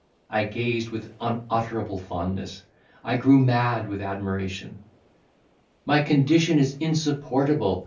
I gazed with unutterable fondness! I grew mad with admiration! "My condition is insupportable!"